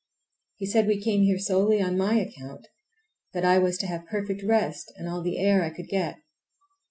He said we came here solely on my account, that I was to have perfect rest and all the air I could get.